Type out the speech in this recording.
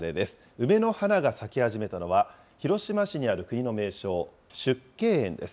梅の花が咲き始めたのは、広島市にある国の名勝、縮景園です。